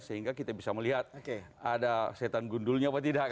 sehingga kita bisa melihat ada setan gundulnya apa tidak